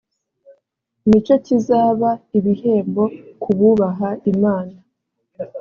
ni cyo kizaba ibihembo kububaha imana